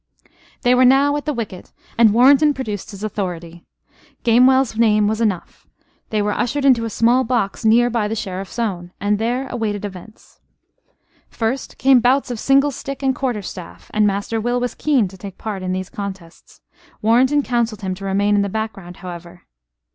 They were now at the wicket, and Warrenton produced his authority. Gamewell's name was enough. They were ushered into a small box near by the Sheriff's own, and there awaited events. First came bouts of single stick and quarter staff, and Master Will was keen to take part in these contests. Warrenton counselled him to remain in the background, however.